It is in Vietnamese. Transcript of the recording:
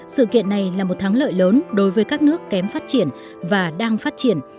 sự kiện này là một thắng lợi lớn đối với các nước kém phát triển và đang phát triển